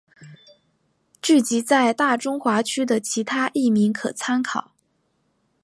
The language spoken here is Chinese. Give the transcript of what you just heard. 剧集在大中华区的其他译名可参考。